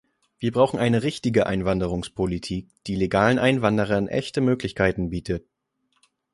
Wir brauchen eine richtige Einwanderungspolitik, die legalen Einwanderern echte Möglichkeiten bietet.